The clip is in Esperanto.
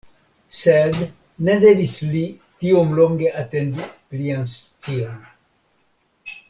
Sed, ne devis li tiom longe atendi plian scion.